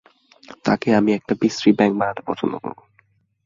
তাকে আমি একটা বিশ্রী ব্যাঙ বানাতে পছন্দ করবো।